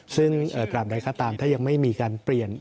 ซึ่งตราบใดก็ตามถ้ายังไม่มีการเปลี่ยน